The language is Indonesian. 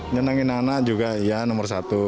nyenangin anak anak juga ya nomor satu